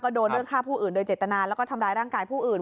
โดนเรื่องฆ่าผู้อื่นโดยเจตนาแล้วก็ทำร้ายร่างกายผู้อื่น